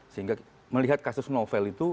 sehingga melihat kasus novel itu